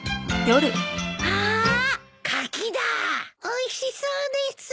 おいしそうです。